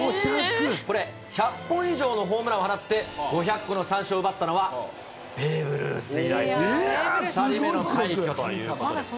これ、１００本以上のホームランを放って、５００個の三振を奪ったのは、ベーブ・ルース以来、２人目の快挙ということです。